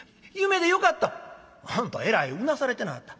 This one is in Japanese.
「あんたえらいうなされてなはった。